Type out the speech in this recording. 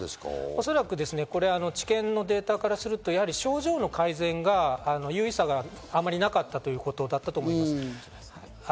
おそらくこれ治験のデータからすると症状の改善の有意差がなかったということだと思います。